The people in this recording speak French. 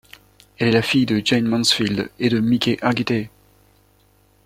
Elle est la fille de Jayne Mansfield et de Mickey Hargitay.